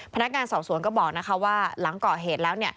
พนักงานสอบสวนก็บอกว่าหลังก่อเหตุแล้ว